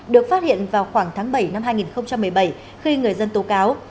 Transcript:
được phát hiện vào khoảng tháng bảy năm hai nghìn một mươi bảy khi người dân tố cáo